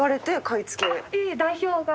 いえいえ代表が。